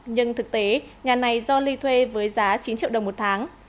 nhưng thực tế nhà này do ly thuê với giá chín triệu đồng một tháng